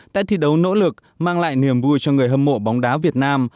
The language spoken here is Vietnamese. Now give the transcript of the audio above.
tại thi đấu nỗ lực mang lại niềm vui cho người hâm mộ bóng đá việt nam